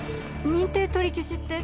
認定取り消しって？